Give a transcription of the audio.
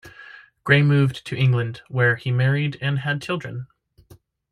Grey moved to England, where he married and had children.